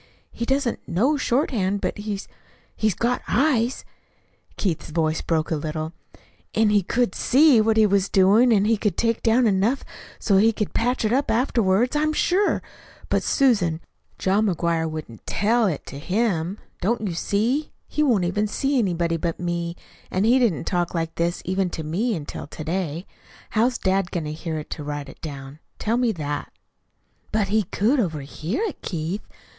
"He doesn't know shorthand, but he he's got eyes" (Keith's voice broke a little) "and he could SEE what he was doing, and he could take down enough of it so he could patch it up afterwards, I'm sure. But Susan, John McGuire wouldn't TELL it to HIM. Don't you see? He won't even see anybody but me, and he didn't talk like this even to me until to day. How's dad going to hear it to write it down? Tell me that?" "But he could overhear it, Keith.